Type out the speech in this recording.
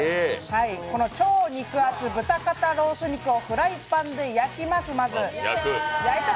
この超肉厚豚肩ロース肉をフライパンで焼きます、まず。